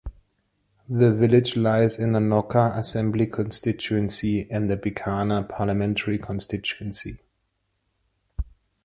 The village lies in the Nokha assembly constituency and the Bikaner parliamentary constituency.